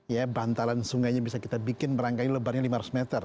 ya bantaran sungainya bisa kita bikin merangkai lebarnya lima ratus meter